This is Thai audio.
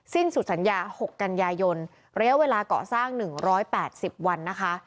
สิ้นสุดสัญญา๖กันยายนระยะเวลาก่อสร้าง๑๘๐วันนะคะ